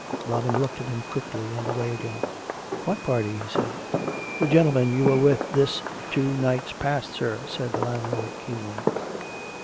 Robin looked at him quickly, and away again. " What party ?" he said. " The gentlemen you were with this two nights past, sir," said the landlord keenly.